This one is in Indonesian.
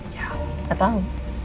ya gak tau